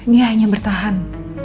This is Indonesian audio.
dia hanya bertahan